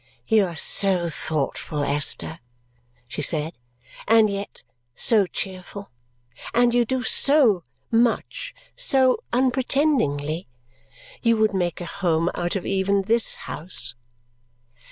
"You are so thoughtful, Esther," she said, "and yet so cheerful! And you do so much, so unpretendingly! You would make a home out of even this house."